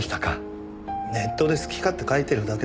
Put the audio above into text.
ネットで好き勝手書いてるだけです。